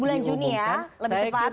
bulan juni ya lebih cepat